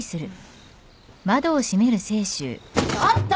ちょっと！